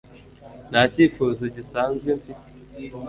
Nta cyifuzo gisanzwe mfite